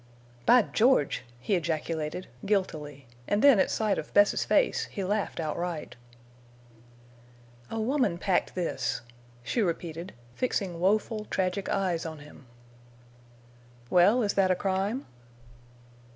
"By George!" he ejaculated, guiltily, and then at sight of Bess's face he laughed outright. "A woman packed this," she repeated, fixing woeful, tragic eyes on him. "Well, is that a crime?"